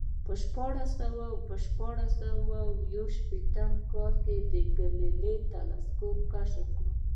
په شپاړس سوه یو شپېتم کال کې ګالیله تلسکوپ کشف کړ